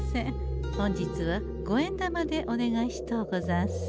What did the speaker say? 本日は五円玉でお願いしとうござんす。